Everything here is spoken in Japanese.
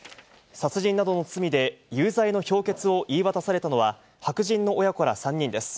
殺人などの罪で、有罪の評決を言い渡されたのは、白人の親子ら３人です。